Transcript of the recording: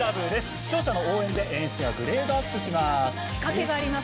視聴者の応援で演出がグレードアップします。